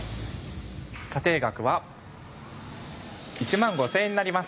査定額は１万５０００円になります。